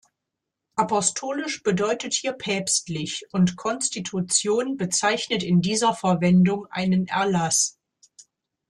Apostolisch bedeutet hier „päpstlich“ und Konstitution bezeichnet in dieser Verwendung einen Erlass.